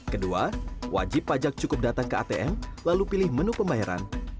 kedua wajib pajak cukup datang ke atm lalu pilih menu pembayaran